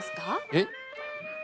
えっ？